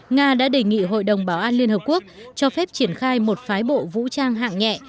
nga đã đề nghị hội đồng bảo an liên hợp quốc cho phép triển khai một phái bộ vũ trang hạng nhẹ